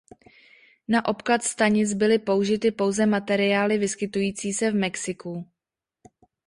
Na obklad stanic byly použity pouze materiály vyskytující se v Mexiku.